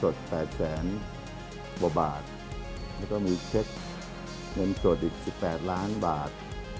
และก็มีเช็คเงินสดอีก๑๘ล้านบาท